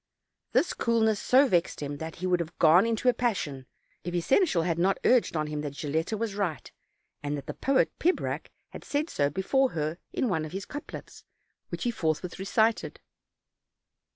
This coolness so vexed him that he would have gone into a passion, if his seneschal had not urged on him that Gil letta was right, and that the poet Pibrac had said so before her in one of his couplets, which he forthwith re cited.